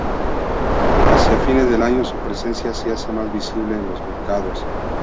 Hacia fines de año su presencia se hace más visible en los mercados.